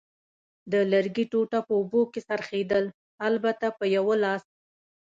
د لرګي ټوټه په اوبو کې څرخېدل، البته په یوه لاس.